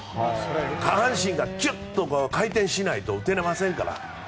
下半身がキュッと回転しないと打てませんから。